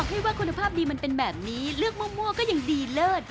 พี่ว่าคุณภาพดีมันเป็นแบบนี้เลือกมั่วก็ยังดีเลิศ